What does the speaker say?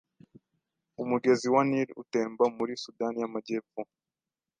Umugezi wa Nili utemba muri Sudani y'Amajyepfo